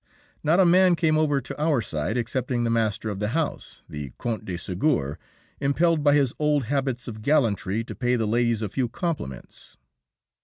Not a man came over to our side excepting the master of the house, the Count de Ségur, impelled by his old habits of gallantry to pay the ladies a few compliments.